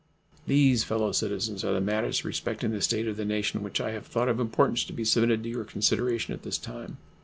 These, fellow citizens, are the matters respecting the state of the nation which I have thought of importance to be submitted to your consideration at this time.